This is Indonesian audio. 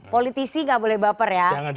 politisi nggak boleh baper ya